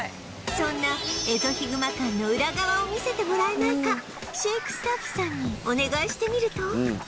そんなえぞひぐま館のウラ側を見せてもらえないか飼育スタッフさんにお願いしてみると